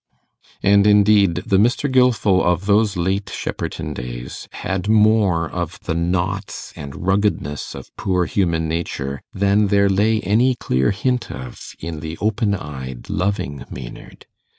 And indeed the Mr. Gilfil of those late Shepperton days had more of the knots and ruggedness of poor human nature than there lay any clear hint of in the open eyed loving Maynard.